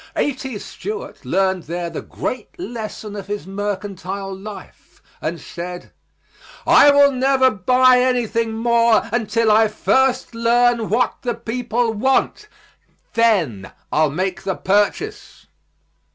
A.T. Stewart learned there the great lesson of his mercantile life and said, "I will never buy anything more until I first learn what the people want; then I'll make the purchase."